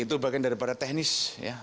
itu bagian daripada teknis